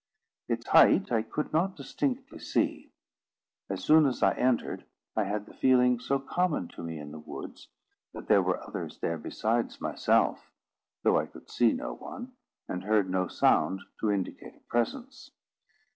Its height I could not distinctly see. As soon as I entered, I had the feeling so common to me in the woods, that there were others there besides myself, though I could see no one, and heard no sound to indicate a presence.